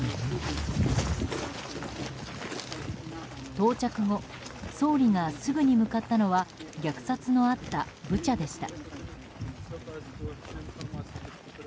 到着後総理がすぐに向かったのは虐殺のあったブチャでした。